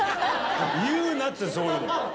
言うなっつうの、そういうの。